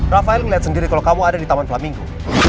rafael ngeliat sendiri kalau kamu ada di taman flamingo